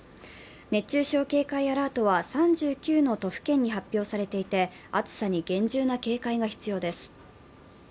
熱中症警戒アラートは３９の都府県に発表されていて暑さに厳重な警戒が必要です。